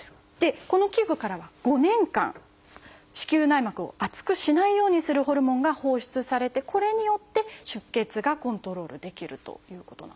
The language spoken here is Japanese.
この器具からは５年間子宮内膜を厚くしないようにするホルモンが放出されてこれによって出血がコントロールできるということなんです。